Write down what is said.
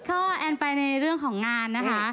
ก็แอนไปในเรื่องของงานนะคะ